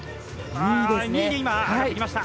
２位で今上がってきました。